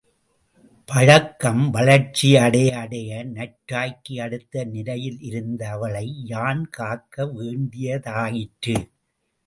பழக்கம் வளர்ச்சியடைய அடைய நற்றாய்க்கு அடுத்த நிலையிலிருந்து அவளை யான் காக்க வேண்டியதாயிற்று.